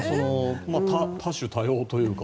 多種多様というか。